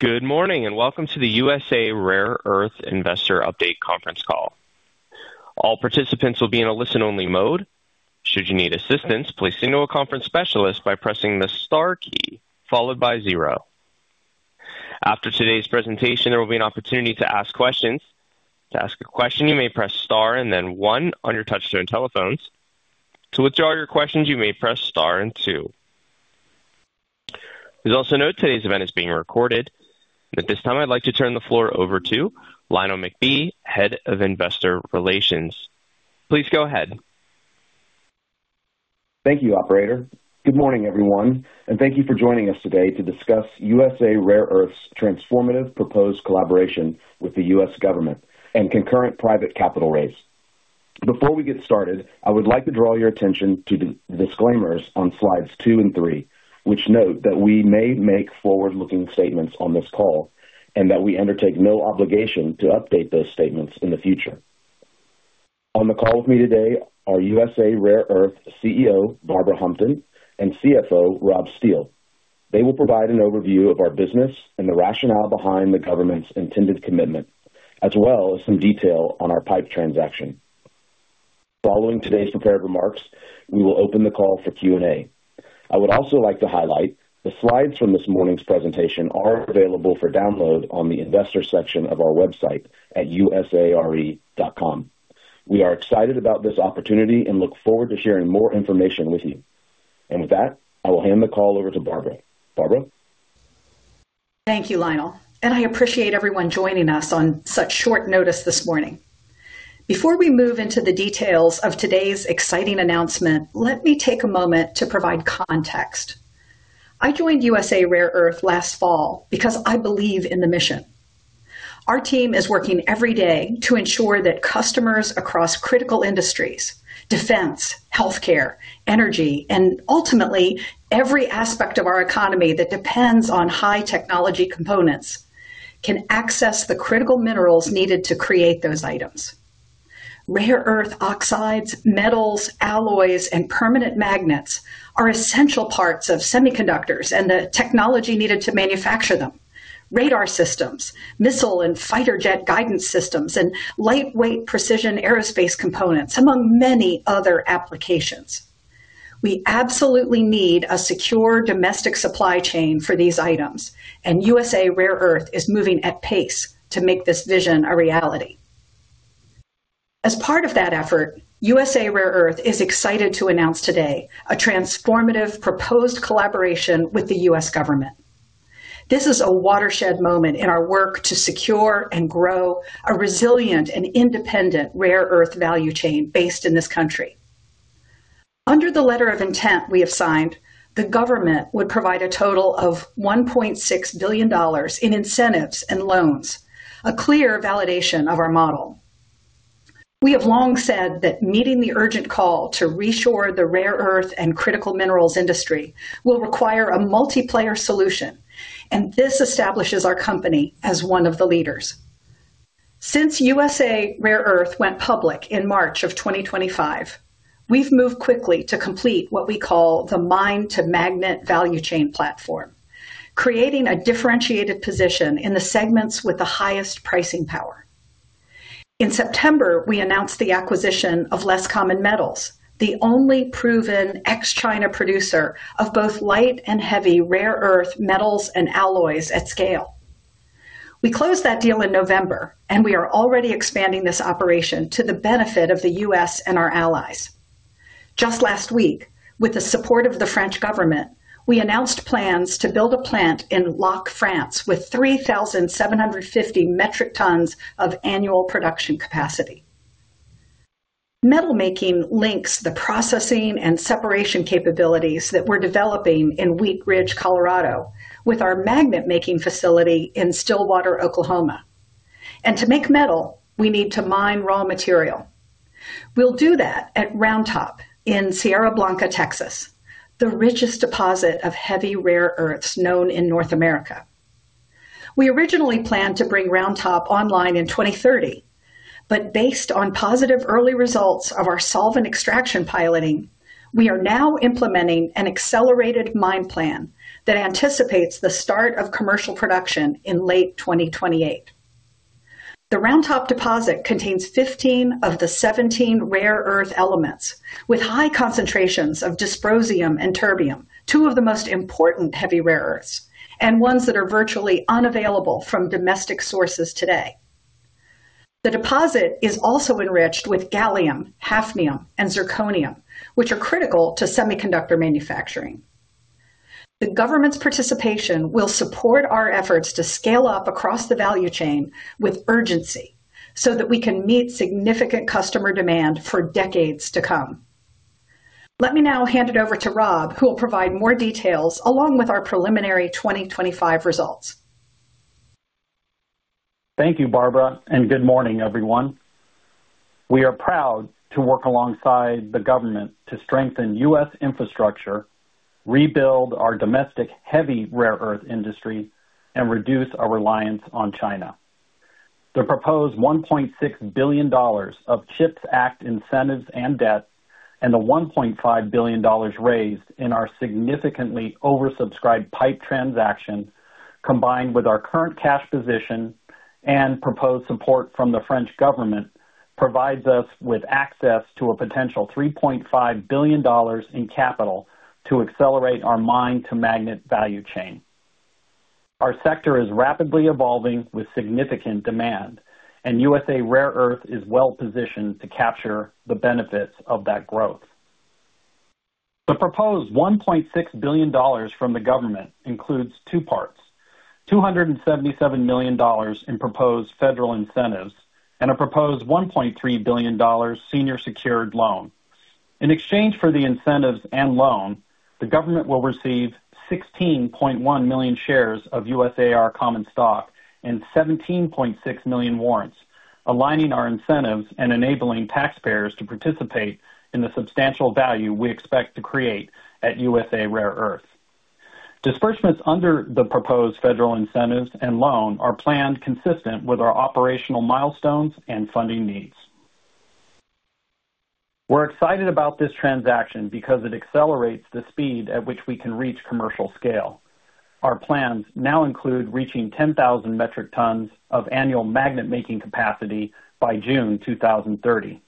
Good morning, and welcome to the USA Rare Earth Investor Update conference call. All participants will be in a listen-only mode. Should you need assistance, please signal a conference specialist by pressing the star key followed by zero. After today's presentation, there will be an opportunity to ask questions. To ask a question, you may press star and then one on your touchscreen telephones. To withdraw your questions, you may press star and two. Please also note today's event is being recorded. At this time, I'd like to turn the floor over to Lionel McBee, Head of Investor Relations. Please go ahead. Thank you, operator. Good morning, everyone, and thank you for joining us today to discuss USA Rare Earth's transformative proposed collaboration with the U.S. government and concurrent private capital raise. Before we get started, I would like to draw your attention to the disclaimers on slides two and three, which note that we may make forward-looking statements on this call and that we undertake no obligation to update those statements in the future. On the call with me today are USA Rare Earth CEO, Barbara Humpton, and CFO, Rob Steele. They will provide an overview of our business and the rationale behind the government's intended commitment, as well as some detail on our PIPE transaction. Following today's prepared remarks, we will open the call for Q&A. I would also like to highlight, the slides from this morning's presentation are available for download on the investor section of our website at usare.com. We are excited about this opportunity and look forward to sharing more information with you. And with that, I will hand the call over to Barbara. Barbara? Thank you, Lionel, and I appreciate everyone joining us on such short notice this morning. Before we move into the details of today's exciting announcement, let me take a moment to provide context. I joined USA Rare Earth last fall because I believe in the mission. Our team is working every day to ensure that customers across critical industries, defense, healthcare, energy, and ultimately, every aspect of our economy that depends on high technology components, can access the critical minerals needed to create those items. Rare earth oxides, metals, alloys, and permanent magnets are essential parts of semiconductors and the technology needed to manufacture them. Radar systems, missile and fighter jet guidance systems, and lightweight precision aerospace components, among many other applications. We absolutely need a secure domestic supply chain for these items, and USA Rare Earth is moving at pace to make this vision a reality. As part of that effort, USA Rare Earth is excited to announce today a transformative proposed collaboration with the U.S. government. This is a watershed moment in our work to secure and grow a resilient and independent rare earth value chain based in this country. Under the letter of intent we have signed, the government would provide a total of $1.6 billion in incentives and loans, a clear validation of our model. We have long said that meeting the urgent call to reshore the rare earth and critical minerals industry will require a multiplayer solution, and this establishes our company as one of the leaders. Since USA Rare Earth went public in March of 2025, we've moved quickly to complete what we call the mine-to-magnet value chain platform, creating a differentiated position in the segments with the highest pricing power. In September, we announced the acquisition of Less Common Metals, the only proven ex-China producer of both light and heavy rare earth metals and alloys at scale. We closed that deal in November, and we are already expanding this operation to the benefit of the U.S. and our allies. Just last week, with the support of the French government, we announced plans to build a plant in Lacq, France, with 3,750 metric tons of annual production capacity. Metal making links the processing and separation capabilities that we're developing in Wheat Ridge, Colorado, with our magnet-making facility in Stillwater, Oklahoma. And to make metal, we need to mine raw material. We'll do that at Round Top in Sierra Blanca, Texas, the richest deposit of heavy rare earths known in North America. We originally planned to bring Round Top online in 2030, but based on positive early results of our solvent extraction piloting, we are now implementing an accelerated mine plan that anticipates the start of commercial production in late 2028. The Round Top deposit contains 15 of the 17 rare earth elements, with high concentrations of dysprosium and terbium, two of the most important heavy rare earths, and ones that are virtually unavailable from domestic sources today. The deposit is also enriched with gallium, hafnium, and zirconium, which are critical to semiconductor manufacturing. The government's participation will support our efforts to scale up across the value chain with urgency so that we can meet significant customer demand for decades to come. Let me now hand it over to Rob, who will provide more details along with our preliminary 2025 results. Thank you, Barbara, and good morning, everyone. We are proud to work alongside the government to strengthen U.S. infrastructure, rebuild our domestic heavy rare earth industry, and reduce our reliance on China. The proposed $1.6 billion of CHIPS Act incentives and debt, and the $1.5 billion raised in our significantly oversubscribed PIPE transaction, combined with our current cash position and proposed support from the French government, provides us with access to a potential $3.5 billion in capital to accelerate our mine-to-magnet value chain. Our sector is rapidly evolving with significant demand, and USA Rare Earth is well positioned to capture the benefits of that growth. The proposed $1.6 billion from the government includes two parts: $277 million in proposed federal incentives and a proposed $1.3 billion senior secured loan. In exchange for the incentives and loan, the government will receive 16.1 million shares of USAR common stock and 17.6 million warrants, aligning our incentives and enabling taxpayers to participate in the substantial value we expect to create at USA Rare Earth. Disbursement under the proposed federal incentives and loan are planned consistent with our operational milestones and funding needs. We're excited about this transaction because it accelerates the speed at which we can reach commercial scale. Our plans now include reaching 10,000 metric tons of annual magnet-making capacity by June 2030.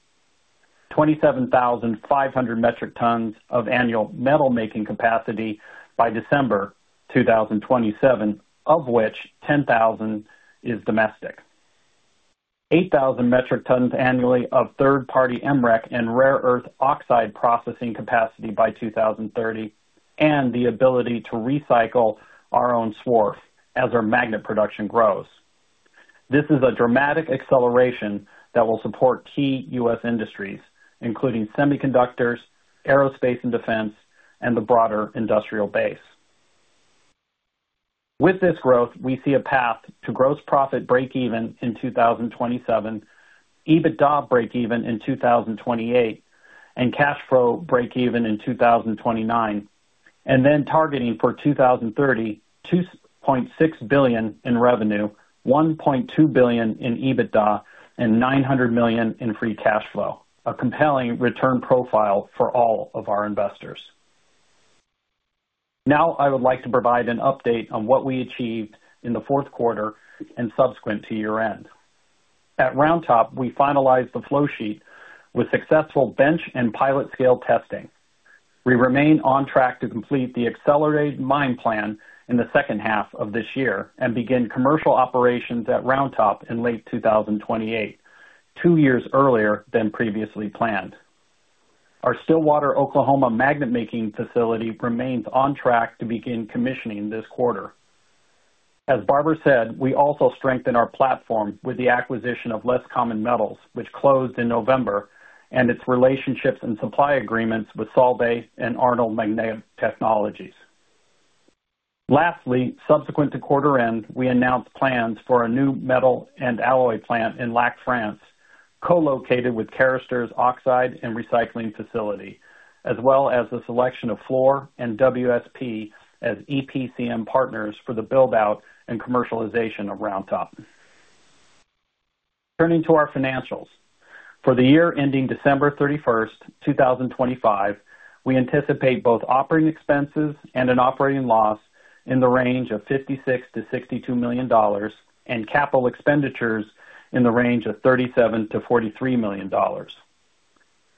27,500 metric tons of annual metal-making capacity by December 2027, of which 10,000 is domestic. 8,000 metric tons annually of third-party MREC and rare earth oxide processing capacity by 2030, and the ability to recycle our own swarf as our magnet production grows. This is a dramatic acceleration that will support key U.S. industries, including semiconductors, aerospace and defense, and the broader industrial base. With this growth, we see a path to gross profit breakeven in 2027, EBITDA breakeven in 2028, and cash flow breakeven in 2029, and then targeting for 2030, $2.6 billion in revenue, $1.2 billion in EBITDA, and $900 million in free cash flow. A compelling return profile for all of our investors. Now, I would like to provide an update on what we achieved in the fourth quarter and subsequent to year-end. At Round Top, we finalized the flow sheet with successful bench and pilot scale testing. We remain on track to complete the accelerated mine plan in the second half of this year and begin commercial operations at Round Top in late 2028, 2 years earlier than previously planned. Our Stillwater, Oklahoma, magnet-making facility remains on track to begin commissioning this quarter. As Barbara said, we also strengthened our platform with the acquisition of Less Common Metals, which closed in November, and its relationships and supply agreements with Solvay and Arnold Magnetic Technologies. Lastly, subsequent to quarter end, we announced plans for a new metal and alloy plant in Lacq, France, co-located with Carester oxide and recycling facility, as well as the selection of Fluor and WSP as EPCM partners for the build-out and commercialization of Round Top. Turning to our financials. For the year ending December 31st, 2025, we anticipate both operating expenses and an operating loss in the range of $56 million-$62 million and capital expenditures in the range of $37 million-$43 million.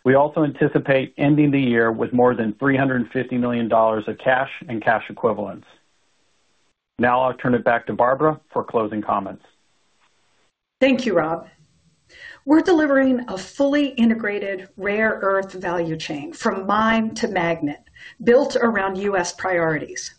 We also anticipate ending the year with more than $350 million of cash and cash equivalents. Now I'll turn it back to Barbara for closing comments. Thank you, Rob. We're delivering a fully integrated rare earth value chain from mine to magnet, built around U.S. priorities.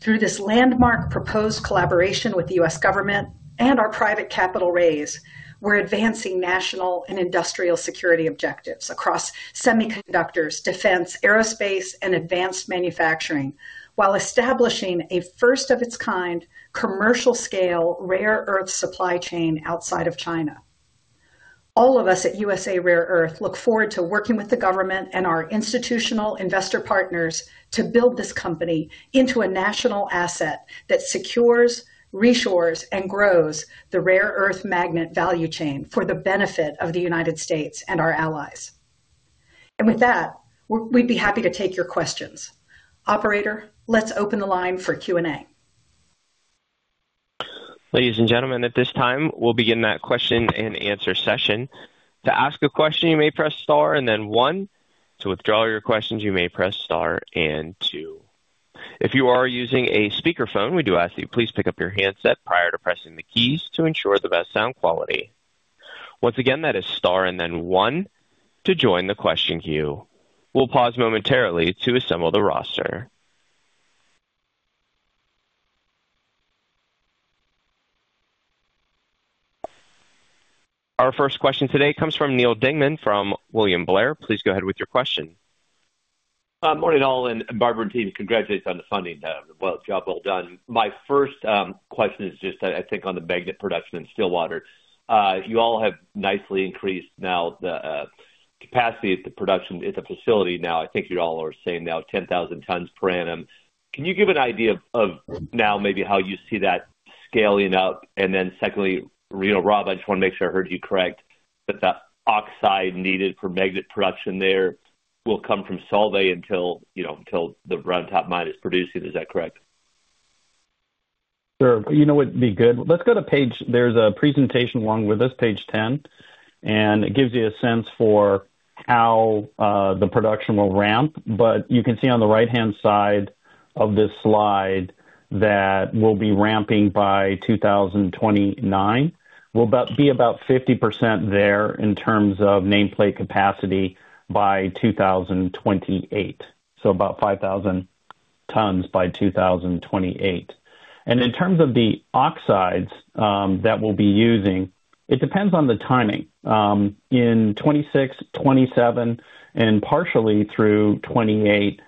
Through this landmark proposed collaboration with the U.S. government and our private capital raise, we're advancing national and industrial security objectives across semiconductors, defense, aerospace, and advanced manufacturing, while establishing a first of its kind commercial scale rare earth supply chain outside of China. All of us at USA Rare Earth look forward to working with the government and our institutional investor partners to build this company into a national asset that secures, reshores, and grows the rare earth magnet value chain for the benefit of the United States and our allies. With that, we'd be happy to take your questions. Operator, let's open the line for Q&A. Ladies and gentlemen, at this time, we'll begin that question-and-answer session. To ask a question, you may press star and then one. To withdraw your questions, you may press star and two. If you are using a speakerphone, we do ask that you please pick up your handset prior to pressing the keys to ensure the best sound quality. Once again, that is star and then one to join the question queue. We'll pause momentarily to assemble the roster. Our first question today comes from Neal Dingmann from William Blair. Please go ahead with your question. Morning, all, and Barbara and team, congratulations on the funding. Well, job well done. My first question is just, I think, on the magnet production in Stillwater. You all have nicely increased now the capacity at the production, at the facility now, I think you all are saying now 10,000 tons per annum. Can you give an idea of now maybe how you see that scaling out? And then secondly, you know, Rob, I just wanna make sure I heard you correct, that the oxide needed for magnet production there will come from Solvay until, you know, until the Round Top mine is producing. Is that correct? Sure. You know what would be good? Let's go to page... There's a presentation along with this, page 10, and it gives you a sense for how the production will ramp. But you can see on the right-hand side of this slide that we'll be ramping by 2029. We'll be about 50% there in terms of nameplate capacity by 2028, so about 5,000 tons by 2028. And in terms of the oxides that we'll be using, it depends on the timing. In 2026, 2027, and partially through 2028,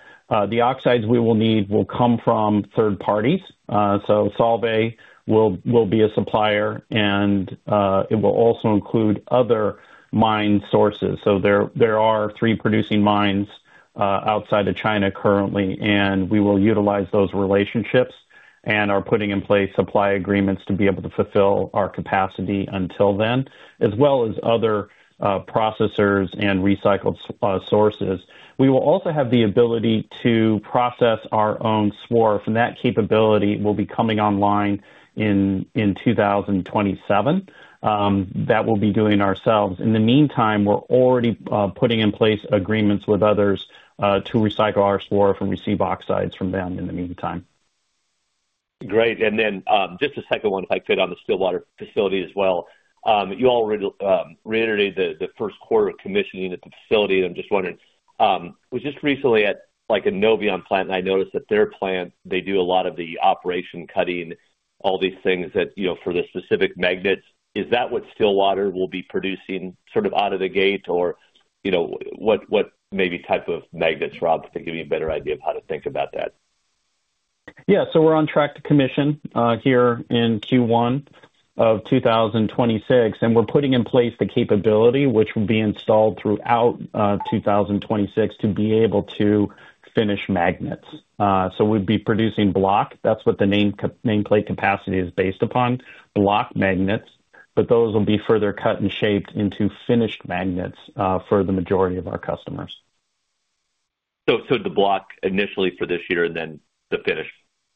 the oxides we will need will come from third parties. So Solvay will be a supplier, and it will also include other mine sources. So there are three producing mines outside of China currently, and we will utilize those relationships and are putting in place supply agreements to be able to fulfill our capacity until then, as well as other processors and recycled sources. We will also have the ability to process our own swarf, and that capability will be coming online in 2027. That we'll be doing ourselves. In the meantime, we're already putting in place agreements with others to recycle our swarf and receive oxides from them in the meantime. Great. And then, just a second one, if I could, on the Stillwater facility as well. You all reiterated the first quarter of commissioning at the facility. I'm just wondering, was just recently at, like, a Noveon plant, and I noticed that their plant, they do a lot of the operation, cutting, all these things that, you know, for the specific magnets. Is that what Stillwater will be producing sort of out of the gate? Or, you know, what maybe type of magnets, Rob, to give you a better idea of how to think about that? Yeah. So we're on track to commission here in Q1 of 2026, and we're putting in place the capability, which will be installed throughout 2026, to be able to finish magnets. So we'd be producing block. That's what the nameplate capacity is based upon, block magnets, but those will be further cut and shaped into finished magnets for the majority of our customers. So, the block initially for this year and then the finished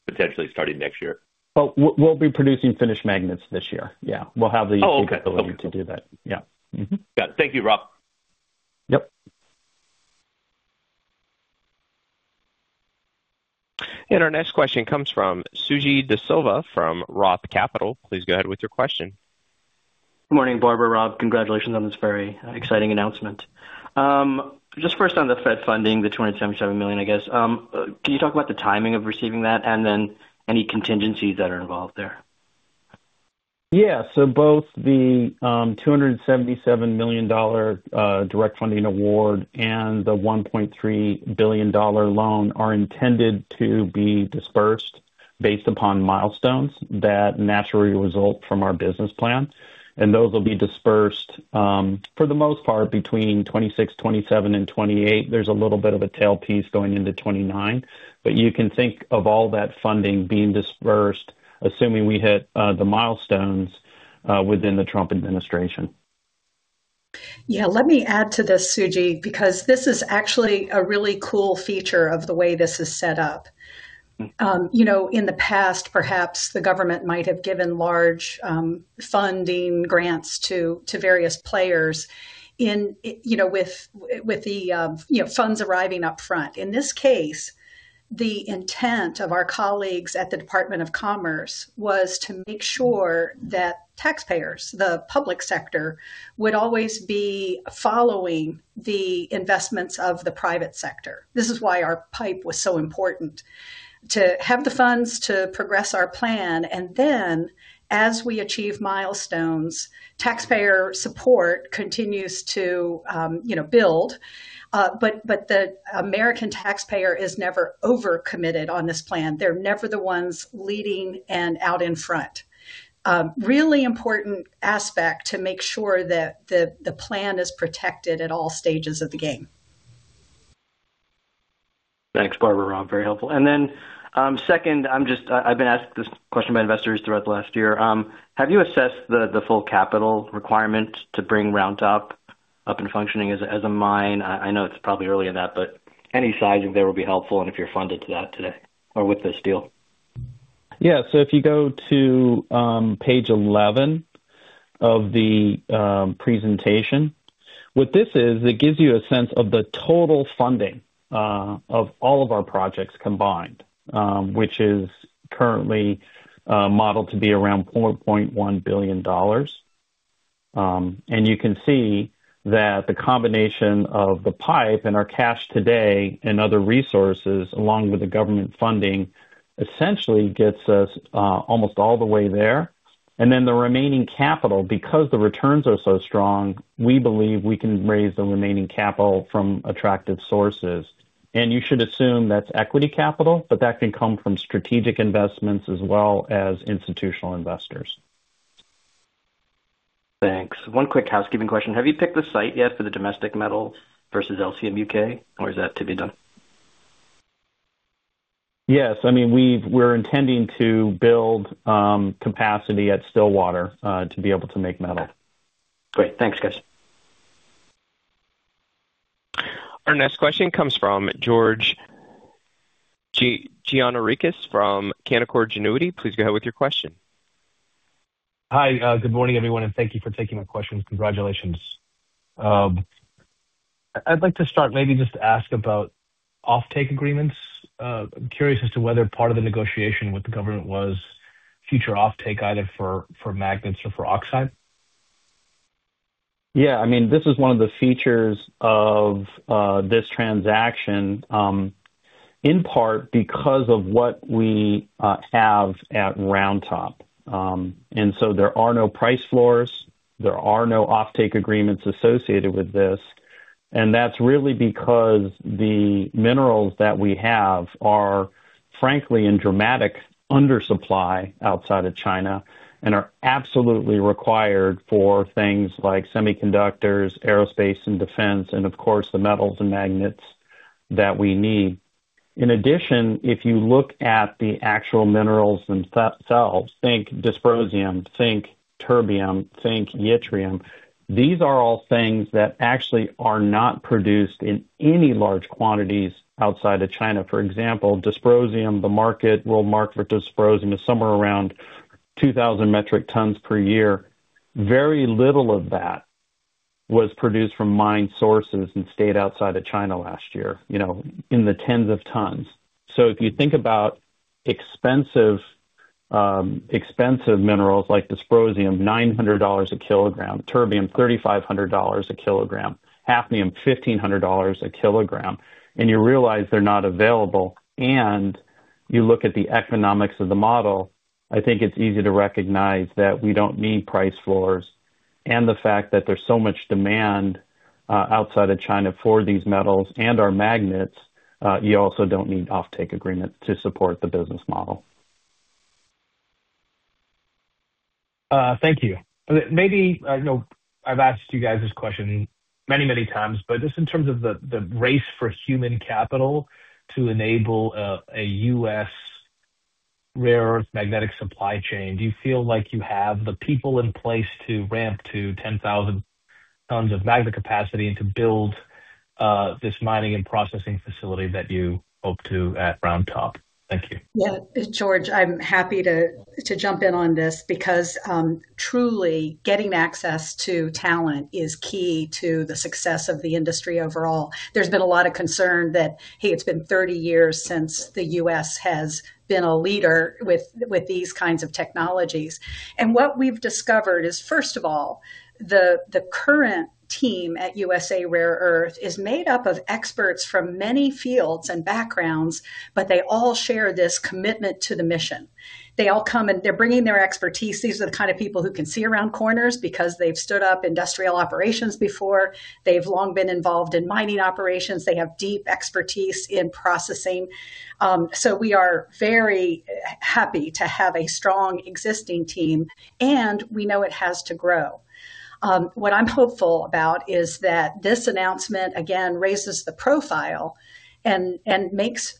potentially starting next year? Oh, we'll be producing finished magnets this year. Yeah, we'll have the- Oh, okay. ability to do that. Yeah. Mm-hmm. Got it. Thank you, Rob. Yep. Our next question comes from Suji Desilva from Roth Capital. Please go ahead with your question. Good morning, Barbara, Rob. Congratulations on this very exciting announcement. Just first on the Fed funding, the $277 million, I guess. Can you talk about the timing of receiving that and then any contingencies that are involved there? Yeah. So both the $277 million Direct Funding Award and the $1.3 billion loan are intended to be disbursed based upon milestones that naturally result from our business plan. And those will be disbursed, for the most part, between 2026, 2027, and 2028. There's a little bit of a tail piece going into 2029, but you can think of all that funding being disbursed, assuming we hit the milestones, within the Trump administration. Yeah, let me add to this, Suji, because this is actually a really cool feature of the way this is set up. You know, in the past, perhaps the government might have given large, funding grants to, to various players in, you know, with, with the, you know, funds arriving up front. In this case, the intent of our colleagues at the Department of Commerce was to make sure that taxpayers, the public sector, would always be following the investments of the private sector. This is why our PIPE was so important. To have the funds to progress our plan, and then as we achieve milestones, taxpayer support continues to, you know, build, but, but the American taxpayer is never over-committed on this plan. They're never the ones leading and out in front. Really important aspect to make sure that the plan is protected at all stages of the game. Thanks, Barbara, Rob. Very helpful. And then, second, I'm just... I've been asked this question by investors throughout the last year. Have you assessed the full capital requirement to bring Round Top up and functioning as a mine? I know it's probably early in that, but any sizing there will be helpful and if you're funded to that today or with this deal. Yeah. So if you go to, page 11 of the, presentation, what this is, it gives you a sense of the total funding, of all of our projects combined, which is currently, modeled to be around $4.1 billion. And you can see that the combination of the PIPE and our cash today and other resources, along with the government funding, essentially gets us, almost all the way there. And then the remaining capital, because the returns are so strong, we believe we can raise the remaining capital from attractive sources. And you should assume that's equity capital, but that can come from strategic investments as well as institutional investors. Thanks. One quick housekeeping question. Have you picked the site yet for the domestic metal versus LCM UK, or is that to be done? Yes. I mean, we're intending to build capacity at Stillwater to be able to make metal. Great. Thanks, guys. Our next question comes from George Gianarikas from Canaccord Genuity. Please go ahead with your question. Hi. Good morning, everyone, and thank you for taking my questions. Congratulations. I'd like to start maybe just to ask about offtake agreements. I'm curious as to whether part of the negotiation with the government was future offtake, either for, for magnets or for oxide. Yeah, I mean, this is one of the features of this transaction, in part because of what we have at Round Top. And so there are no price floors, there are no offtake agreements associated with this, and that's really because the minerals that we have are frankly in dramatic undersupply outside of China and are absolutely required for things like semiconductors, aerospace and defense, and of course, the metals and magnets that we need. In addition, if you look at the actual minerals themselves, think dysprosium, think terbium, think yttrium, these are all things that actually are not produced in any large quantities outside of China. For example, dysprosium, the market, world market for dysprosium is somewhere around 2,000 metric tons per year. Very little of that was produced from mine sources and stayed outside of China last year, you know, in the tens of tons. So if you think about expensive, expensive minerals like dysprosium, $900 a kilogram, terbium, $3,500 a kilogram, hafnium, $1,500 a kilogram, and you realize they're not available, and you look at the economics of the model, I think it's easy to recognize that we don't need price floors and the fact that there's so much demand, outside of China for these metals and our magnets, you also don't need offtake agreement to support the business model. Thank you. Maybe, I know I've asked you guys this question many, many times, but just in terms of the race for human capital to enable, a U.S. rare earth magnetic supply chain, do you feel like you have the people in place to ramp to 10,000 tons of magnet capacity and to build, this mining and processing facility that you hope to at Round Top? Thank you. Yeah, George, I'm happy to jump in on this because truly getting access to talent is key to the success of the industry overall. There's been a lot of concern that, hey, it's been 30 years since the U.S. has been a leader with these kinds of technologies. And what we've discovered is, first of all, the current team at USA Rare Earth is made up of experts from many fields and backgrounds, but they all share this commitment to the mission. They all come, and they're bringing their expertise. These are the kind of people who can see around corners because they've stood up industrial operations before. They've long been involved in mining operations. They have deep expertise in processing. So we are very happy to have a strong existing team, and we know it has to grow. What I'm hopeful about is that this announcement, again, raises the profile and makes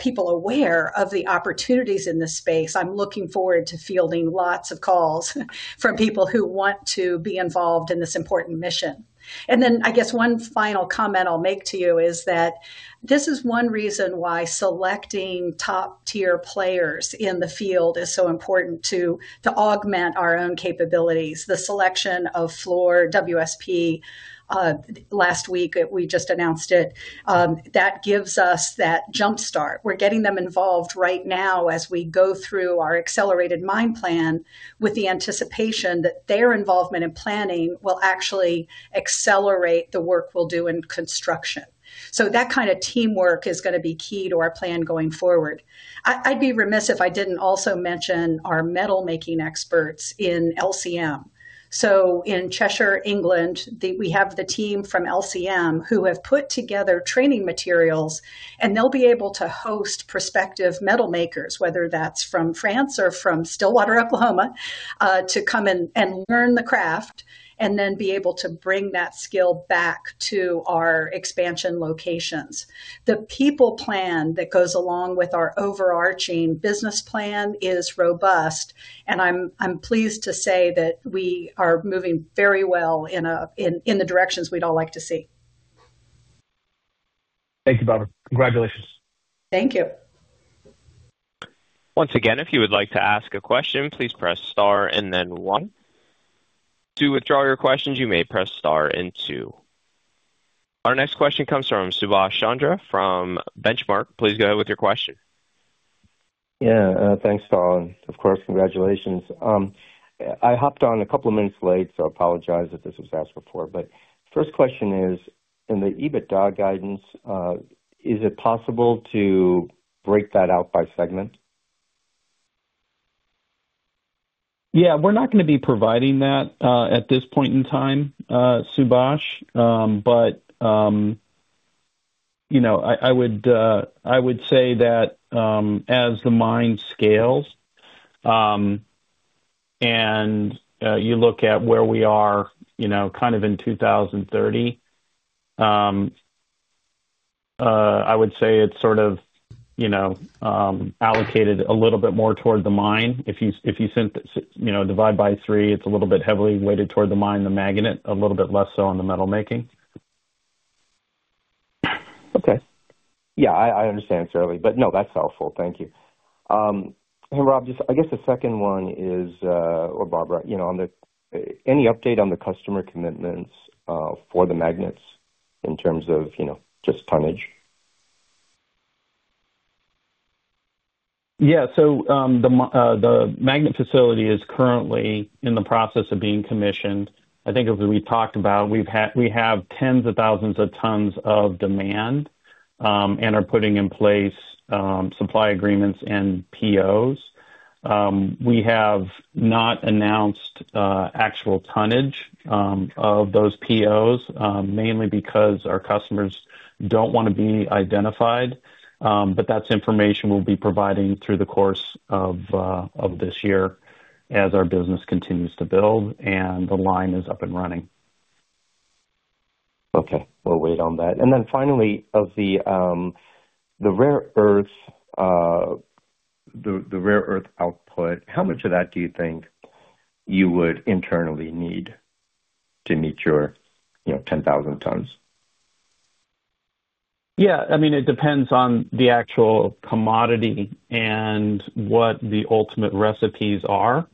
people aware of the opportunities in this space. I'm looking forward to fielding lots of calls from people who want to be involved in this important mission. And then I guess one final comment I'll make to you is that this is one reason why selecting top-tier players in the field is so important to augment our own capabilities. The selection of Fluor WSP last week, we just announced it, that gives us that jump start. We're getting them involved right now as we go through our accelerated mine plan, with the anticipation that their involvement in planning will actually accelerate the work we'll do in construction. So that kind of teamwork is gonna be key to our plan going forward. I'd be remiss if I didn't also mention our metalmaking experts in LCM. So in Cheshire, England, we have the team from LCM who have put together training materials, and they'll be able to host prospective metal makers, whether that's from France or from Stillwater, Oklahoma, to come and learn the craft and then be able to bring that skill back to our expansion locations. The people plan that goes along with our overarching business plan is robust, and I'm pleased to say that we are moving very well in the directions we'd all like to see. Thank you, Barbara. Congratulations. Thank you. Once again, if you would like to ask a question, please press star and then one. To withdraw your questions, you may press star and two. Our next question comes from Subash Chandra from Benchmark. Please go ahead with your question. Yeah, thanks, Paul, and of course, congratulations. I hopped on a couple of minutes late, so I apologize if this was asked before, but first question is, in the EBITDA guidance, is it possible to break that out by segment? Yeah, we're not gonna be providing that at this point in time, Subash. But you know, I would say that as the mine scales and you look at where we are, you know, kind of in 2030, I would say it's sort of, you know, allocated a little bit more toward the mine. If you send, you know, divide by three, it's a little bit heavily weighted toward the mine, the magnet, a little bit less so on the metal making. Okay. Yeah, I understand certainly, but no, that's helpful. Thank you. And Rob, just I guess the second one is, or Barbara, you know, on any update on the customer commitments, for the magnets in terms of, you know, just tonnage? Yeah. So, the magnet facility is currently in the process of being commissioned. I think as we talked about, we have tens of thousands of tons of demand, and are putting in place supply agreements and POs. We have not announced actual tonnage of those POs, mainly because our customers don't want to be identified. But that's information we'll be providing through the course of this year as our business continues to build and the line is up and running. Okay, we'll wait on that. And then finally, of the rare earth output, how much of that do you think you would internally need to meet your, you know, 10,000 tons? Yeah, I mean, it depends on the actual commodity and what the ultimate recipes are.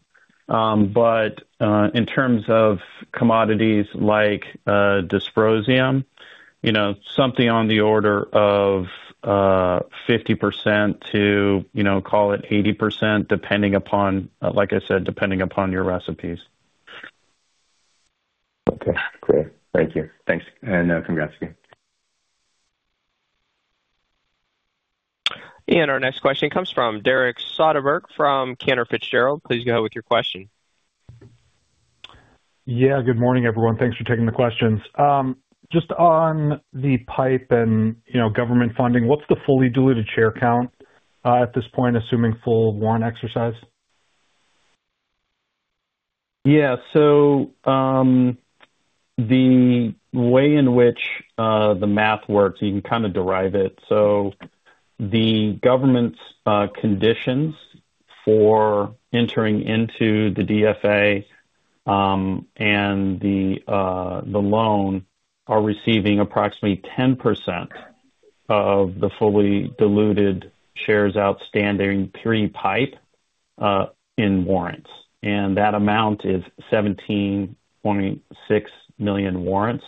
But, in terms of commodities like Dysprosium, you know, something on the order of 50%-80%, depending upon, like I said, depending upon your recipes. Okay, great. Thank you. Thanks, and, congrats again. Our next question comes from Derek Soderberg from Cantor Fitzgerald. Please go ahead with your question. Yeah, good morning, everyone. Thanks for taking the questions. Just on the PIPE and, you know, government funding, what's the fully diluted share count at this point, assuming full warrant exercise? Yeah. So, the way in which the math works, you can kind of derive it. So the government's conditions for entering into the DFA and the loan are receiving approximately 10% of the fully diluted shares outstanding pre-PIPE in warrants, and that amount is 17.6 million warrants.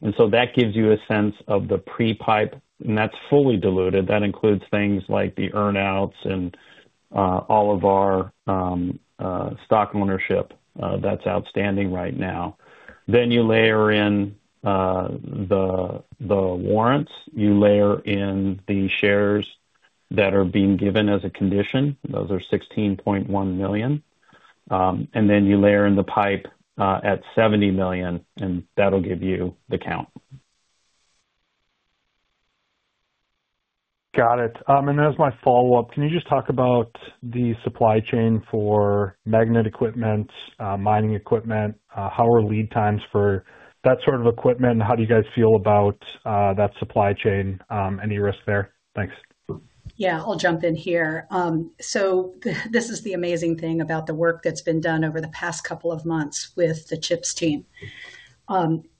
And so that gives you a sense of the pre-PIPE, and that's fully diluted. That includes things like the earnouts and all of our stock ownership that's outstanding right now. Then you layer in the warrants, you layer in the shares that are being given as a condition. Those are 16.1 million. And then you layer in the PIPE at $70 million, and that'll give you the count. Got it. As my follow-up, can you just talk about the supply chain for magnet equipment, mining equipment? How are lead times for that sort of equipment, and how do you guys feel about that supply chain? Any risk there? Thanks. Yeah, I'll jump in here. So this is the amazing thing about the work that's been done over the past couple of months with the CHIPS team.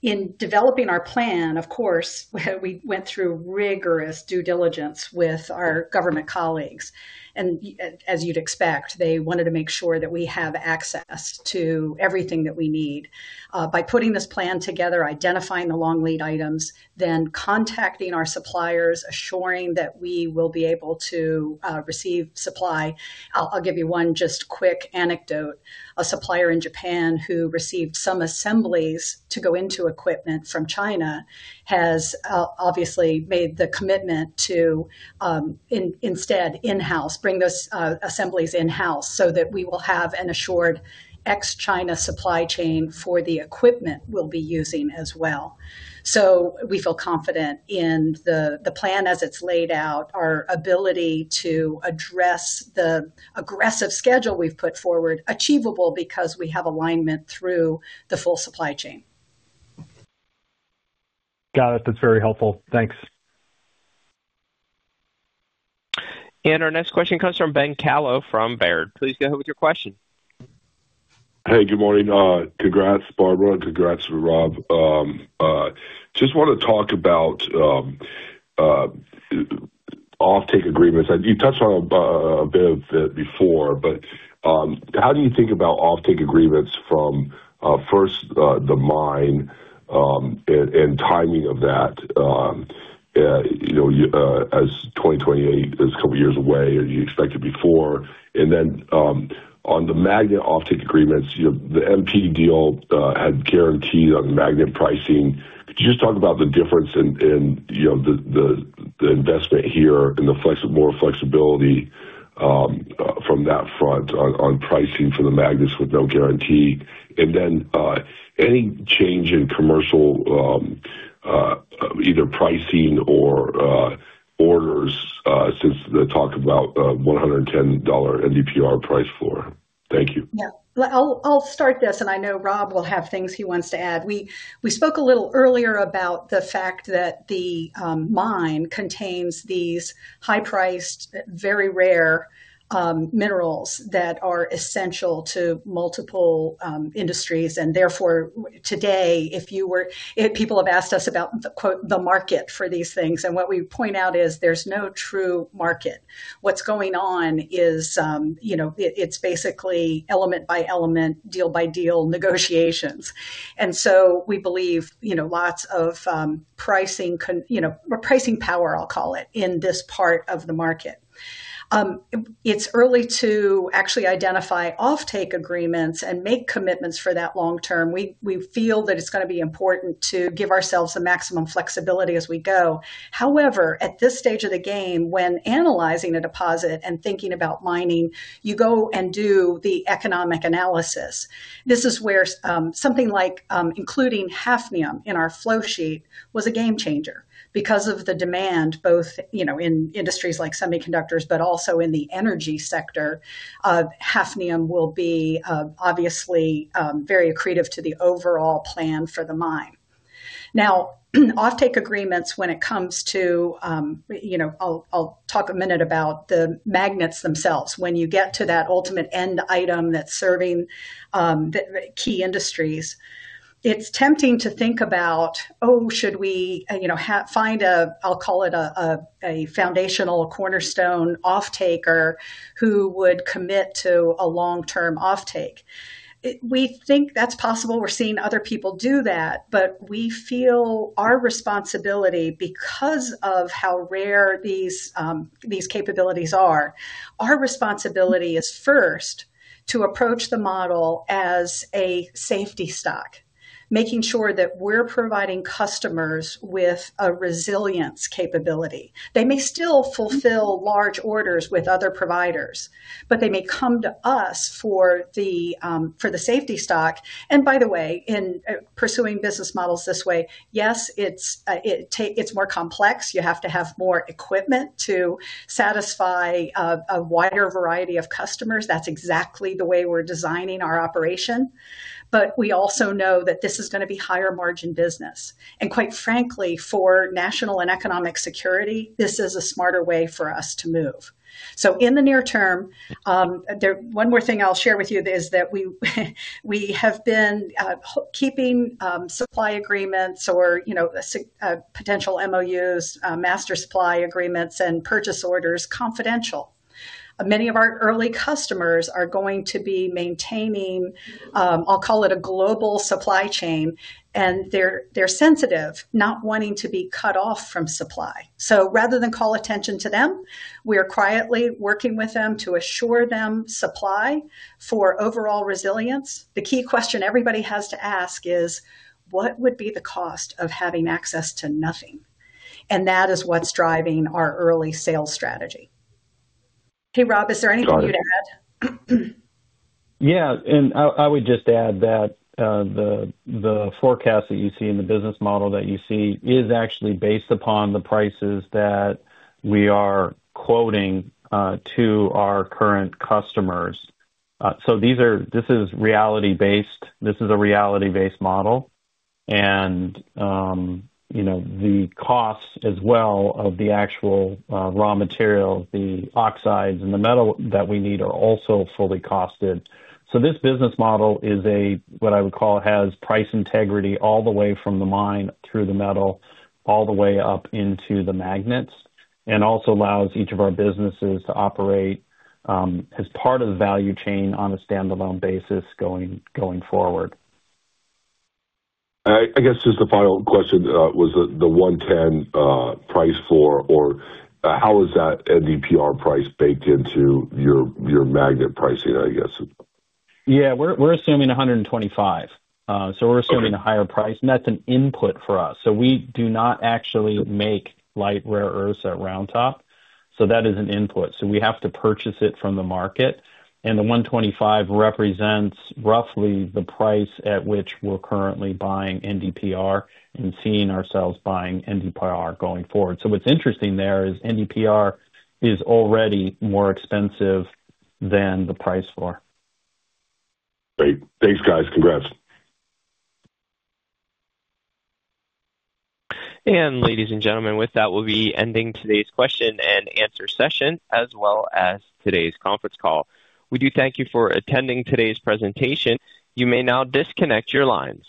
In developing our plan, of course, we went through rigorous due diligence with our government colleagues, and as you'd expect, they wanted to make sure that we have access to everything that we need. By putting this plan together, identifying the long lead items, then contacting our suppliers, assuring that we will be able to receive supply. I'll give you one just quick anecdote. A supplier in Japan who received some assemblies to go into equipment from China has obviously made the commitment to instead in-house bring those assemblies in-house so that we will have an assured ex-China supply chain for the equipment we'll be using as well. So we feel confident in the plan as it's laid out, our ability to address the aggressive schedule we've put forward, achievable because we have alignment through the full supply chain. Got it. That's very helpful. Thanks. Our next question comes from Ben Kallo from Baird. Please go ahead with your question. Hey, good morning. Congrats, Barbara. Congrats, Rob. Just want to talk about offtake agreements. You touched on a bit of it before, but how do you think about offtake agreements from first the mine and timing of that? You know, as 2028 is a couple years away, and you expect it before. And then on the magnet offtake agreements, you know, the MP deal had guaranteed on magnet pricing. Could you just talk about the difference in, you know, the investment here and the flex more flexibility from that front on pricing for the magnets with no guarantee. And then any change in commercial either pricing or orders since the talk about $110 NdPr price floor. Thank you. Yeah. I'll start this, and I know Rob will have things he wants to add. We spoke a little earlier about the fact that the mine contains these high-priced, very rare minerals that are essential to multiple industries, and therefore, today, if you were—people have asked us about the quote, "The market for these things." And what we point out is there's no true market. What's going on is, you know, it's basically element by element, deal by deal negotiations. And so we believe, you know, lots of pricing power, I'll call it, in this part of the market. It's early to actually identify offtake agreements and make commitments for that long term. We feel that it's gonna be important to give ourselves the maximum flexibility as we go. However, at this stage of the game, when analyzing a deposit and thinking about mining, you go and do the economic analysis. This is where something like including hafnium in our flow sheet was a game changer. Because of the demand, both, you know, in industries like semiconductors, but also in the energy sector, hafnium will be obviously very accretive to the overall plan for the mine. Now, offtake agreements, when it comes to, you know, I'll talk a minute about the magnets themselves. When you get to that ultimate end item that's serving the key industries, it's tempting to think about, oh, should we, you know, find a, I'll call it a foundational cornerstone offtaker who would commit to a long-term offtake? We think that's possible. We're seeing other people do that, but we feel our responsibility, because of how rare these capabilities are, our responsibility is first to approach the model as a safety stock, making sure that we're providing customers with a resilience capability. They may still fulfill large orders with other providers, but they may come to us for the safety stock. And by the way, in pursuing business models this way, yes, it's more complex. You have to have more equipment to satisfy a wider variety of customers. That's exactly the way we're designing our operation. But we also know that this is gonna be higher margin business. And quite frankly, for national and economic security, this is a smarter way for us to move. So in the near term, there... One more thing I'll share with you is that we have been keeping supply agreements or, you know, potential MOUs, master supply agreements and purchase orders confidential. Many of our early customers are going to be maintaining, I'll call it a global supply chain, and they're sensitive, not wanting to be cut off from supply. So rather than call attention to them, we are quietly working with them to assure them supply for overall resilience. The key question everybody has to ask is: What would be the cost of having access to nothing? And that is what's driving our early sales strategy. Okay, Rob, is there anything you'd add? Yeah, and I would just add that, the forecast that you see and the business model that you see is actually based upon the prices that we are quoting to our current customers. So these are... This is reality-based. This is a reality-based model, and, you know, the costs as well of the actual raw material, the oxides and the metal that we need are also fully costed. So this business model is a, what I would call, has price integrity all the way from the mine through the metal, all the way up into the magnets, and also allows each of our businesses to operate as part of the value chain on a standalone basis going forward. I guess just a final question, was the $110 price for, or how is that NdPr price baked into your magnet pricing, I guess? Yeah, we're assuming $125. So we're assuming a higher price, and that's an input for us. We do not actually make light rare earths at Round Top, so that is an input. We have to purchase it from the market, and the $125 represents roughly the price at which we're currently buying NdPr and seeing ourselves buying NdPr going forward. What's interesting there is NdPr is already more expensive than the price for. Great. Thanks, guys. Congrats. Ladies and gentlemen, with that, we'll be ending today's question and answer session, as well as today's conference call. We do thank you for attending today's presentation. You may now disconnect your lines.